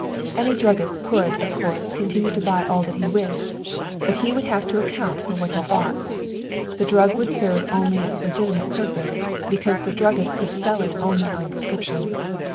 Any druggist could of course continue to buy all that he wished, but he would have to account for what he bought. The drug would serve only its legitimate purpose, because the druggist could sell it only on prescription.